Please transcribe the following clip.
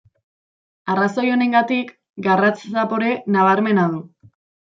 Arrazoi honegatik, garratz zapore nabarmena du.